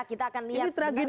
kita akan lihat